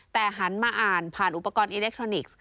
แต่หันมาอ่านผ่านอุปกรณ์อิเล็กทรอนิกส์